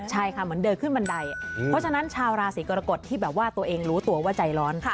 ใช่ค่ะเหมือนเดินขึ้นบันไดเพราะฉะนั้นชาวราศีกรกฎที่แบบว่าตัวเองรู้ตัวว่าใจร้อน